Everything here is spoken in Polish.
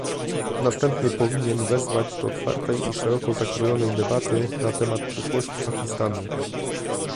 Następnie powinien wezwać do otwartej i szeroko zakrojonej debaty na temat przyszłości Pakistanu